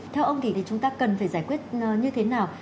theo ông thì chúng ta cần phải giải quyết như thế nào